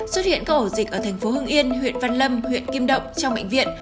xuất hiện các ổ dịch ở thành phố hưng yên huyện văn lâm huyện kim động trong bệnh viện